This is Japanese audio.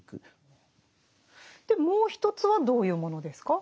でもう一つはどういうものですか？